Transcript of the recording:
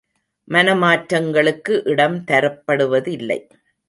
மன மாற்றங்களுக்கு இடம் தரப்படுவதில்லை.